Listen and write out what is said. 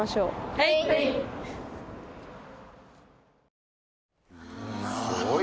はい！